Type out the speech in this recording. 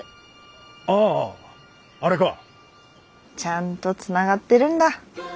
ああれか。ちゃんとつながってるんだ。